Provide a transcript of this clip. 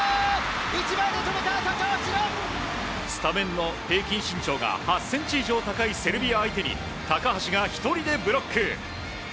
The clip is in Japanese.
スタメンの平均身長が８ｃｍ以上高いセルビア相手に高橋が１人でブロック。